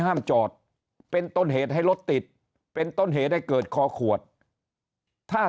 ห้ามจอดเป็นต้นเหตุให้รถติดเป็นต้นเหตุให้เกิดคอขวดถ้า